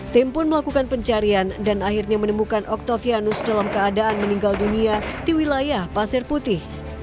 tim pun melakukan pencarian dan akhirnya menemukan oktavianus dalam keadaan meninggal dunia di wilayah pasir putih